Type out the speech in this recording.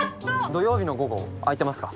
土曜日の午後空いてますか？